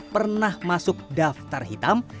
pernah masuk daftar hitam